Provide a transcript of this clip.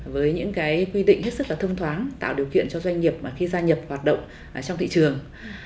với những quy định hết sức là thông thoáng tạo điều kiện cho doanh nghiệp khi gia nhập hoạt động trong thị trường